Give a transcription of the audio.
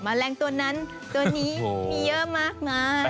มะแรงตัวนั้นตัวนี้มีเยอะมาก